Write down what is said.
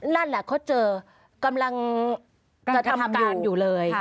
นั่นแหละเขาเจอกำลังกระทำการอยู่เลย